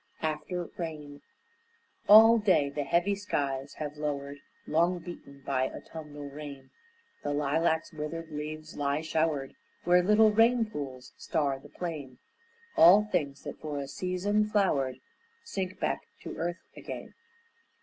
AFTER RAIN All day the heavy skies have lowered, Long beaten by autumnal rain; The lilac's withered leaves lie showered Where little rain pools star the plain; All things that for a season flowered Sink back to earth again.